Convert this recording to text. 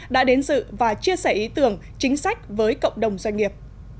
đã đến dự và chia sẻ ý tưởng chính sách với cộng đồng doanh nghiệp